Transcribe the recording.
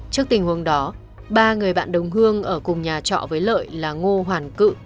trước tình huống đó ba người bạn đồng hương ở cùng nhà trọ với lợi là ngô hoàn cự